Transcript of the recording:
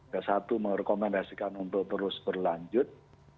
yang satu merekomendasikan untuk terus berlanjut